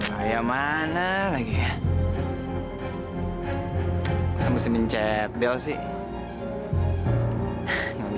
sampai jumpa lagi